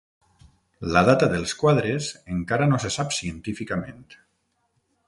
La data dels quadres encara no se sap científicament.